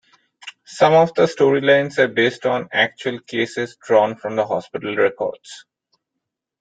Some of the storylines are based on actual cases drawn from the hospital records.